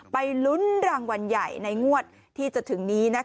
ไปลุ้นรางวัลใหญ่ในงวดที่จะถึงนี้